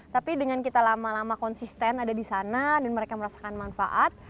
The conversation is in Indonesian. tapi dengan kita lama lama konsisten ada di sana dan mereka merasakan manfaat